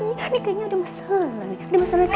ini kayaknya ada masalah